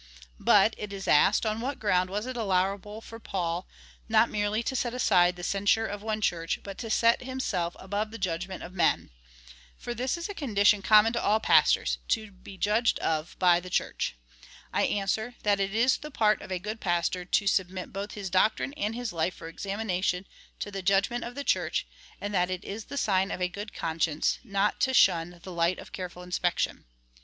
But, it is asked, on w^hat ground it was allowable for Paul, not merely to set aside the censure of one Church, but to set himself above the judgment of men ? for this is a condition common to all pastors — to be judged of by the Church. I answer, that it is the part of a good pastor to submit both his doctrine and his life for examination to the judgment of the Church, and that it is the sign of a good conscience not to shun the light of careful inspection.